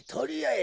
え。